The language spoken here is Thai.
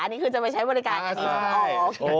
อันนี้คือจะไปใช้บริการอันนี้ส่งออก